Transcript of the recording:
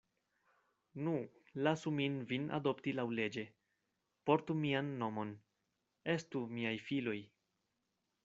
Nu, lasu min vin adopti laŭleĝe; portu mian nomon; estu miaj filoj.